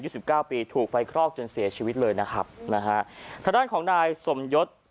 สิบเก้าปีถูกไฟคลอกจนเสียชีวิตเลยนะครับนะฮะทางด้านของนายสมยศ